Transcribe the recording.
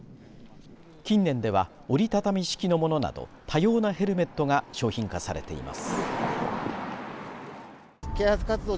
近年では、折り畳み式のものなど多様なヘルメットが商品化されています。